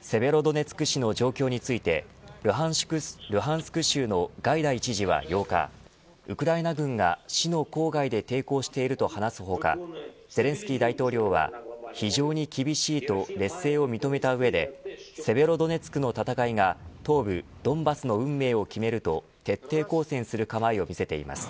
セベロドネツク市の状況についてルハンスク州のガイダイ知事は８日ウクライナ軍が市の郊外で抵抗していると話す他ゼレンスキー大統領は非常に厳しいと劣勢を認めた上でセベロドネツクの戦いが東部ドンバスの運命を決めると徹底抗戦する構えを見せています。